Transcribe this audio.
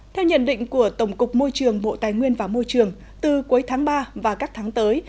theo nhận định của tổng cục môi trường bộ tài nguyên và môi trường từ cuối tháng ba và các tháng tới